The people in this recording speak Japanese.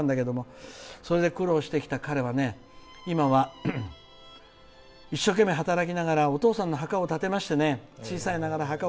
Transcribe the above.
それで苦労してきた彼は今は、一生懸命働きながらお父さんの墓を建てましてね。